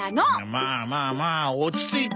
まあまあまあ落ち着いて。